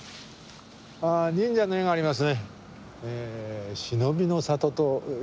あ忍者の絵がありますね。